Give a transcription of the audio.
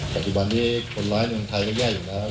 ปัจจุบันที่คนร้ายนึงในไทยก็แย่อยู่แล้ว